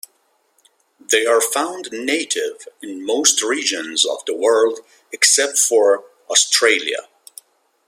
They are found native in most regions of the world except for Australia.